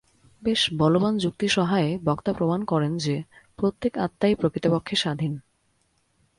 বেশ বলবান যুক্তিসহায়ে বক্তা প্রমাণ করেন যে, প্রত্যেক আত্মাই প্রকৃতপক্ষে স্বাধীন।